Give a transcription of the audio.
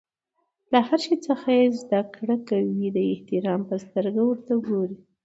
له هر شي څخه چي زدکړه کوى؛ د احترام په سترګه ورته ګورئ!